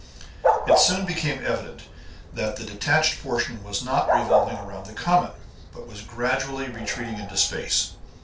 It soon became evident that the detached portion was not revolving round the comet, but was gradually retreating into space.